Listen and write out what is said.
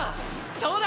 そうだ！